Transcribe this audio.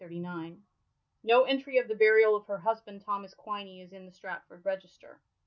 No entry of the burial of her husband Thomas Quiney is in the Stratford register.